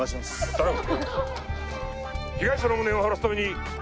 頼む。